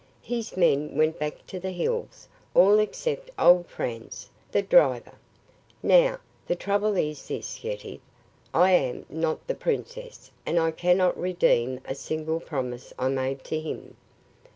His men went back to the hills, all except old Franz, the driver. Now, the trouble is this, Yetive: I am not the princess and I cannot redeem a single promise I made to him.